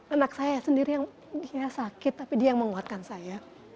anak saya sendiri yang dia sakit tapi dia yang menguatkan saya